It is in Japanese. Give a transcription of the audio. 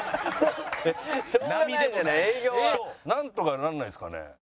なんとかなんないですかね？